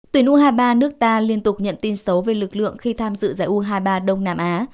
tuyển u hai mươi ba nước ta liên tục nhận tin xấu về lực lượng khi tham dự giải u hai mươi ba đông nam á